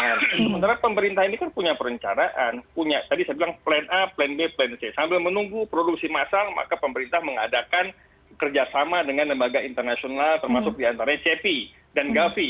nah sementara pemerintah ini kan punya perencanaan punya tadi saya bilang plan a plan b plan c sambil menunggu produksi massal maka pemerintah mengadakan kerjasama dengan lembaga internasional termasuk diantaranya cepi dan gavi